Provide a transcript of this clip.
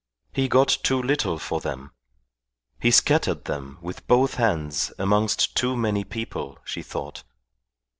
He got too little for them. He scattered them with both hands amongst too many people, she thought.